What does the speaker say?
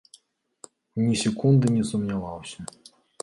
Ні секунды не сумняваўся.